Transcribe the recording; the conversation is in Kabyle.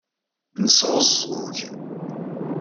Nesɛuẓẓug.